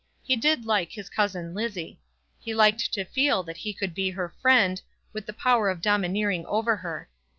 He did like his cousin Lizzie. He liked to feel that he could be her friend, with the power of domineering over her.